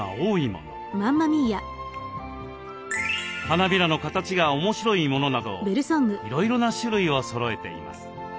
花びらの形が面白いものなどいろいろな種類をそろえています。